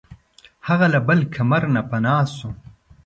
هغه له بل کمر نه پناه شوه.